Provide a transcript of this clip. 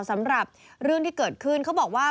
สำหรับเรื่องที่เกิดขึ้นเขาบอกว่า